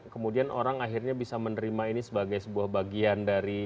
kemudian orang akhirnya bisa menerima ini sebagai sebuah bagian dari